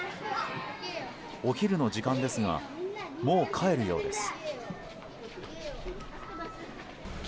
お昼の時間ですがもう帰るようです。